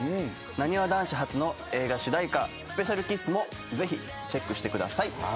なにわ男子初の映画主題歌『ＳｐｅｃｉａｌＫｉｓｓ』もぜひチェックしてください。